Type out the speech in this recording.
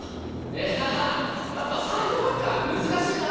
いややっぱサイドバックは難しいな。